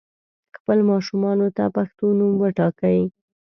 خپل ماشومانو ته پښتو نوم وټاکئ